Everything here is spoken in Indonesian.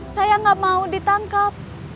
saya gak mau ditangkep